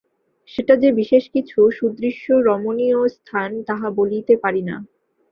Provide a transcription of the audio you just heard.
সেটা যে বিশেষ কিছু সুদৃশ্য রমণীয় স্থান তাহা বলিতে পারি না।